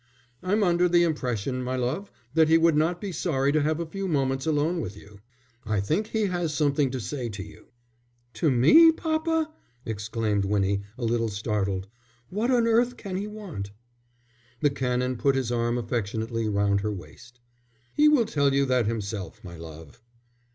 "I'm under the impression, my love, that he would not be sorry to have a few moments alone with you. I think he has something to say to you." "To me, papa?" exclaimed Winnie, a little startled. "What on earth can he want?" The Canon put his arm affectionately round her waist. "He will tell you that himself, my love."